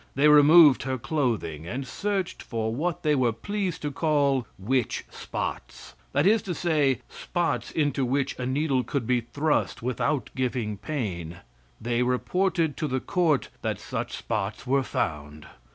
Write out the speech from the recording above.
They removed her clothing, and searched for what they were pleased to call witch spots that is to say, spots into which a needle could be thrust without giving pain; they reported to the Court that such spots were found.